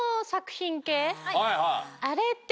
あれって。